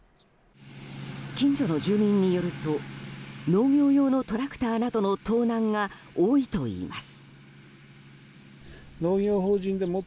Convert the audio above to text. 近所の住民によると農業用のトラクターなどの盗難が多いといいます。